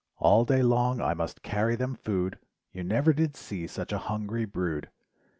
All day long I must carry them food, You never did see such a hungry brood.